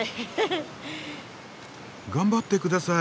頑張ってください。